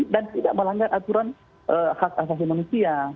dan tidak melanggar aturan hak asasi manusia